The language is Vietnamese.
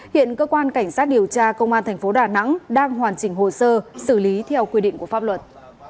hiện cơ quan cảnh sát điều tra công an thành phố đà nẵng đang hoàn chỉnh hồ sơ xử lý theo quy định của pháp luật